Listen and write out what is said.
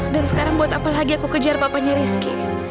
dan sekarang buat apa lagi aku kejar papanya rizky